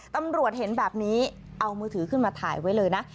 ตำรวจเห็นแบบนี้เอามือถือขึ้นมาถ่ายไว้เลยนะ